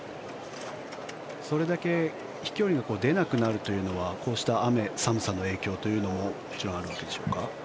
それだけ飛距離が出なくなるというのはこうした雨、寒さの影響というのももちろんあるわけですか？